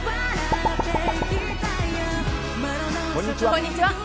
こんにちは。